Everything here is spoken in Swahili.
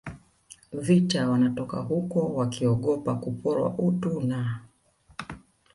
vita wanatoka huko wakiogopa kuporwa utu na